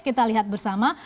kita lihat bersama